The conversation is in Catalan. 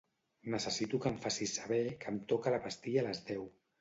Necessito que em facis saber que em toca la pastilla a les deu.